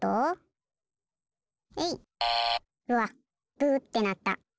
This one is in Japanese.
「ブー」ってなった。